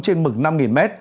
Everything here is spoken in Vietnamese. trên mực năm m